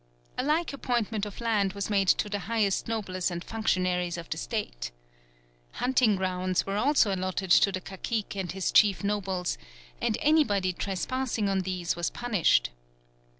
A like apportionment of land was made to the highest nobles and functionaries of the State. Hunting grounds were also allotted to the cacique and his chief nobles, and anybody trespassing on these was punished.